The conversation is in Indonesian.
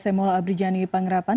semola abrijani pangerapan